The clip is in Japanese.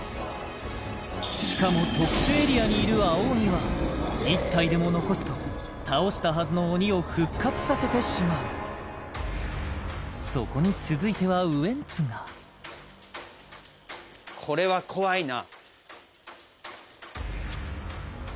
しかも特殊エリアにいる青鬼は１体でも残すと倒したはずの鬼を復活させてしまうそこに続いてはウエンツが来るよ来るよ